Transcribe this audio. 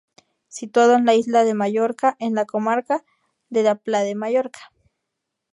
Situado en la isla de Mallorca, en la comarca de la Pla de Mallorca.